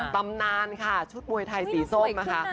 ตำนานค่ะชุดมวยไทยสีส้มนะคะ